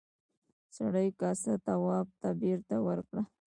سړي کاسه تواب ته بېرته ورکړه.